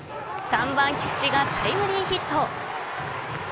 ３番、菊地がタイムリーヒット。